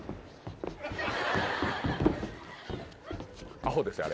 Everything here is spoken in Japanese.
アホですよあれ。